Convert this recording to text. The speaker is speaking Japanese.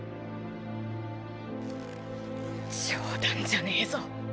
冗談じゃねえぞ。